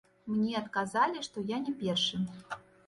Мне адказалі, што я не першы.